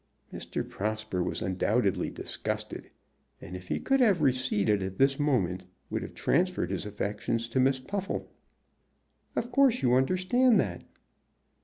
Mr. Prosper was undoubtedly disgusted, and if he could have receded at this moment would have transferred his affections to Miss Puffle. "Of course you understand that."